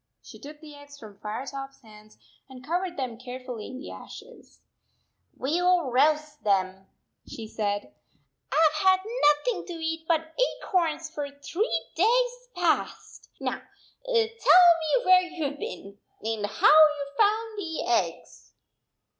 She took the eggs from Firetop s hands and covered them carefully in the ashes. " We 11 roast them," she said. " I f ve had nothing to eat but acorns for three days 16 past. Now, tell me where you have been, and how you found the eggs."